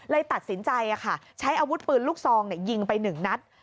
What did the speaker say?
เลยตัดสินใจใช้อาวุธปืนลูกซองยิงไป๑นัด